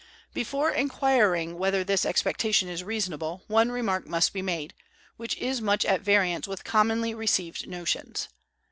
Before inquiring whether this expectation is reasonable, one remark must be made, which is much at variance with commonly received notions.